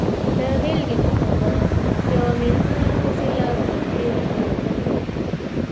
د بېلګې په توګه، یوې مېلمه ښځې له کوربې وپوښتل.